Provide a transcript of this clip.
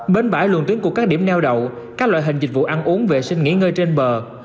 bến bãi luồng tuyến của các điểm neo đậu các loại hình dịch vụ ăn uống vệ sinh nghỉ ngơi trên bờ